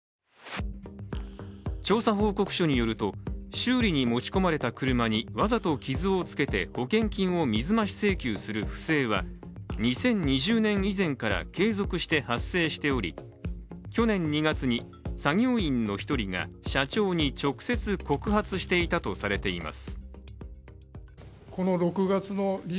調査報告書によると修理に持ち込まれた車にわざと傷をつけて保険金を水増し請求する不正は２０２０年以前から継続して発生しており去年２月に作業員の１人が社長に直接告発していたとされています。